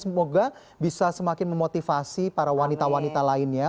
semoga bisa semakin memotivasi para wanita wanita lainnya